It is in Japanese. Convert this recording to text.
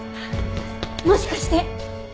もしかして！